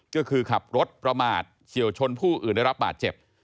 ก็คือขับรถประมาทเฉียวชนผู้อื่นได้รับบาดเจ็บ